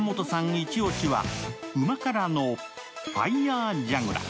イチ押しは、うま辛のファイヤージャグラ。